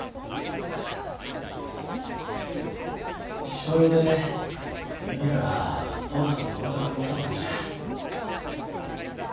商用でゆうべから父さんと大阪に来とったんじゃ。